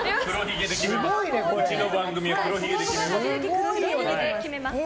うちの番組は黒ひげで決めます。